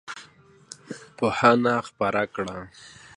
پوهنه خپره کړه.